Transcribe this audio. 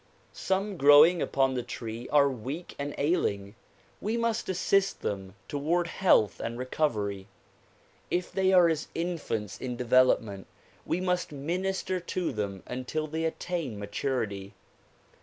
Some growing upon the tree are weak and ailing; we must assist them toward health and recovery. If they are as infants in development we must minister to them until they attain maturity.